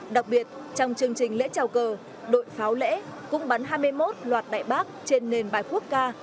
đặc biệt trong chương trình lễ trào cờ đội pháo lễ cũng bắn hai mươi một loạt đại bác trên nền bài quốc ca